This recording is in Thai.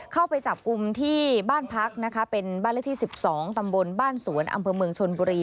เข้าไปจับกลุ่มที่บ้านพักนะคะเป็นบ้านเลขที่๑๒ตำบลบ้านสวนอำเภอเมืองชนบุรี